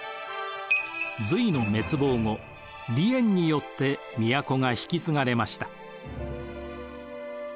隋の滅亡後李淵によって都が引き継がれました。